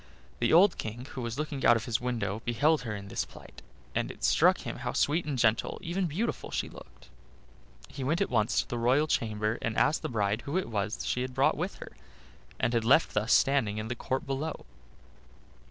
The old King, who was looking out of his window, beheld her in this plight, and it struck him how sweet and gentle, even beautiful, she looked. He went at once to the royal chamber, and asked the bride who it was she had brought with her and had left thus standing in the court below.